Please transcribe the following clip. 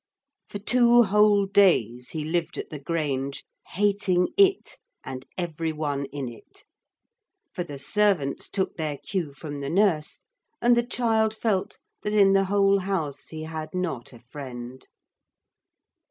For two whole days he lived at the Grange, hating it and every one in it; for the servants took their cue from the nurse, and the child felt that in the whole house he had not a friend.